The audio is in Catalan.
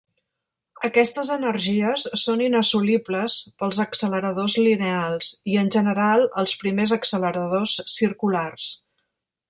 Aquestes energies són inassolibles pels acceleradors lineals i en general als primers acceleradors circulars.